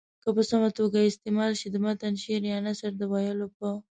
که په سمه توګه استعمال سي د متن شعر یا نثر د ویلو په